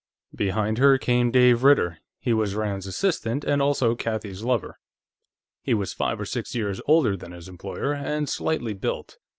Behind her came Dave Ritter. He was Rand's assistant, and also Kathie's lover. He was five or six years older than his employer, and slightly built.